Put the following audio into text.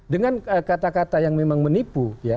dengan kata kata yang memang menipu